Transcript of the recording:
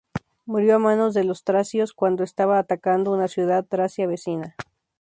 Murió a manos de los tracios cuando estaba atacando una ciudad tracia vecina.